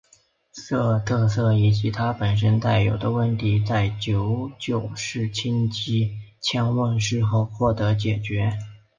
这特色以及它本身带有的问题在九九式轻机枪问世后获得解决。